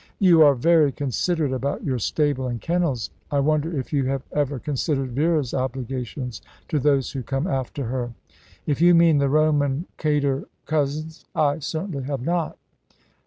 "You are very considerate about your stable and kennels. I wonder if you have ever considered Vera's obligations to those who come after her." "If you mean the Roman cater cousins I certainly have not."